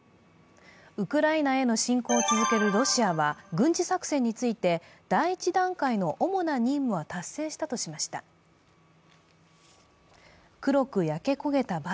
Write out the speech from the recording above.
ウクライナへの侵攻を続けるロシアは、軍事作戦について第１段階の主な任務は達成したとしました。